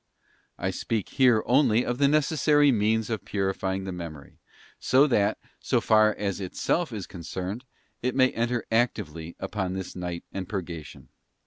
_ I speak here only of the necessary means of purifying the Memory, so that, so far as itself is concerned, it may enter actively upon this Night and Purgation.